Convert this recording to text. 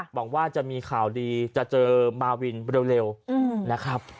หวังว่าจะมีข่าวดีจะเจอมาวินเร็วนะครับ